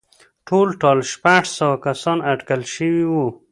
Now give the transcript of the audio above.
ټولټال شپږ سوه کسان اټکل شوي وو